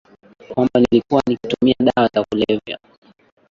kwamba nilikuwa nikitumia dawa za kulevya